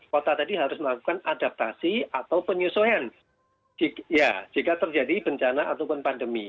kota tadi harus melakukan adaptasi atau penyesuaian jika terjadi bencana ataupun pandemi